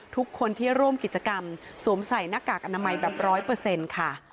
ทุกคนที่ร่วมกิจกรรมสวมใส่หน้ากากอนามัยแบบร้อยเปอร์เซ็นต์ค่ะ